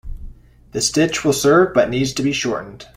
The stitch will serve but needs to be shortened.